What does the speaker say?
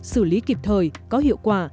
xử lý kịp thời có hiệu quả